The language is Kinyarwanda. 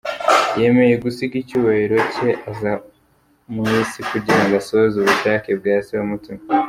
Yemeye gusiga icyubahiro cye, aza mu isi kugira ngo asohoze ubushake bwa Se wamutumye.